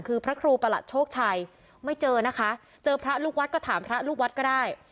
คือพระครูประหลัดโชคชัยไม่เจอนะคะเจอพระลูกวัดก็ถามพระลูกวัดก็ได้